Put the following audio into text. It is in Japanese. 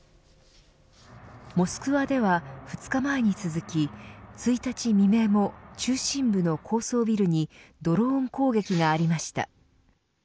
モスクワでは２日前に続き１日未明も中心部の高層ビルにドローン攻撃がありました。